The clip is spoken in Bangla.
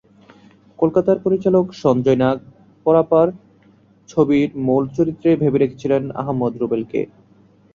কলকাতার পরিচালক সঞ্জয় নাগ পারাপার ছবির মূল চরিত্রে ভেবে রেখেছিলেন আহমেদ রুবেলকে।